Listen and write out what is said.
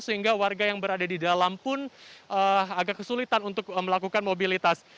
sehingga warga yang berada di dalam pun agak kesulitan untuk melakukan mobilitas